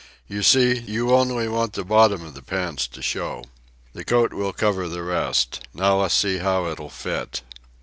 You see, you only want the bottoms of the pants to show. The coat will cover the rest. Now let's see how it'll fit.